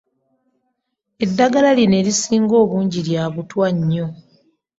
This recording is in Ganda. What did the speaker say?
Eddagala lino erisinga obungi lya butwa nnyo.